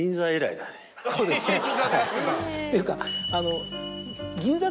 あぁそうですね。